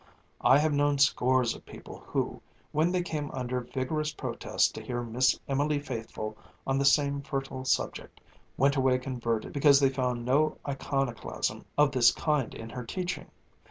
I have known scores of people who, when they came under vigorous protest to hear Miss Emily Faithfull on the same fertile subject, went away converted because they found no iconoclasm of this kind in her teaching.